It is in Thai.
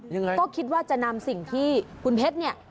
ยังไงก็คิดว่าจะนำสิ่งที่คุณเพชรเนี่ย